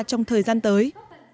trong thời gian tới